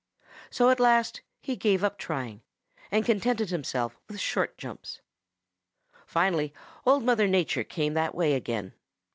So at last he gave up trying and contented himself with short jumps. Finally Old Mother Nature came that way again.